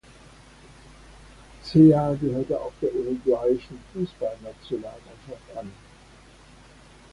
Cea gehörte auch der uruguayischen Fußballnationalmannschaft an.